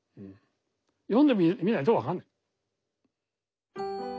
読んでみないと分かんない。